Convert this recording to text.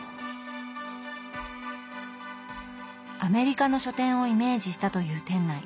アメリカの書店をイメージしたという店内。